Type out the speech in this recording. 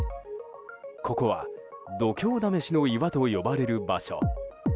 ここは度胸試しの岩と呼ばれる場所。